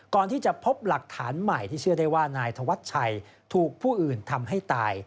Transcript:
ก่อนที่จะพบหลักฐานใหม่ที่เชื่อได้ว่านายธวัชชัยถูกผู้อื่นทำให้ตาย